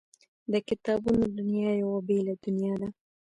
د کتابونو دنیا یوه بېله دنیا ده